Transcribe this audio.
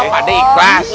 pak d ikhlas